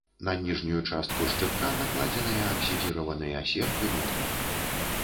На ніжнюю частку шчытка накладзеныя аксідзіраваныя серп і молат.